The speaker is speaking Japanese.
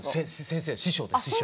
先生師匠です師匠。